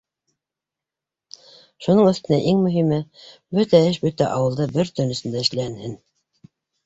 Шуның өҫтөнә иң мөһиме — бөтә эш бөтә ауылда бер төн эсендә эшләнһен.